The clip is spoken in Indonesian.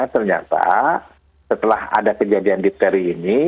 ternyata setelah ada kejadian dipteri ini